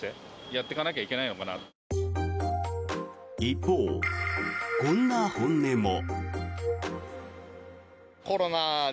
一方、こんな本音も。